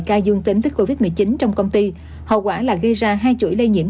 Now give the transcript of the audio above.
ca dương tính với covid một mươi chín trong công ty hậu quả là gây ra hai chuỗi lây nhiễm